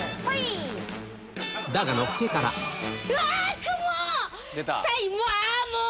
だがのっけからもう！